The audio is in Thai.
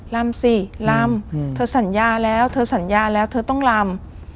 ลำสิลำเธอสัญญาแล้วเธอต้องลำ